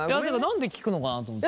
なんで聞くのかなと思って。